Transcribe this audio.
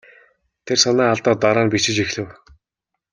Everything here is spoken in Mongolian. Тэр санаа алдаад дараа нь бичиж эхлэв.